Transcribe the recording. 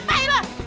nggak peduli lo